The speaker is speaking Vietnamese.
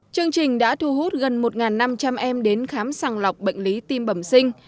chương trình đã thu hút gần một năm trăm linh em đến khám sàng lọc bệnh lý tim bẩm sinh